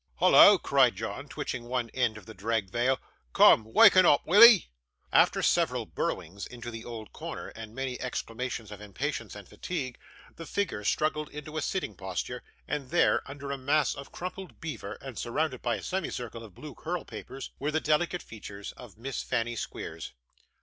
'Hollo!' cried John, twitching one end of the dragged veil. 'Coom, wakken oop, will 'ee?' After several burrowings into the old corner, and many exclamations of impatience and fatigue, the figure struggled into a sitting posture; and there, under a mass of crumpled beaver, and surrounded by a semicircle of blue curl papers, were the delicate features of Miss Fanny Squeers.